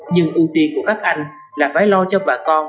nhưng ưu tiên của các anh là phải lo cho bà con